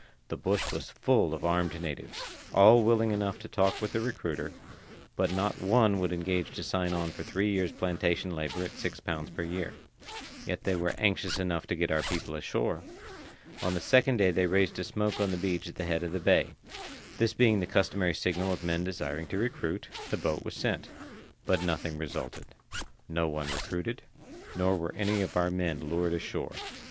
The bush was full of armed natives; all willing enough to talk with the recruiter, but not one would engage to sign on for three years' plantation labour at six pounds per year. Yet they were anxious enough to get our people ashore. On the second day they raised a smoke on the beach at the head of the bay. This being the customary signal of men desiring to recruit, the boat was sent. But nothing resulted. No one recruited, nor were any of our men lured ashore.